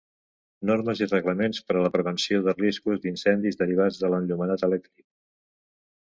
Normes i reglaments per a la prevenció de riscos d'incendis derivats de l'enllumenat elèctric.